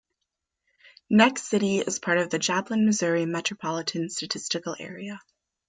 Neck City is part of the Joplin, Missouri Metropolitan Statistical Area.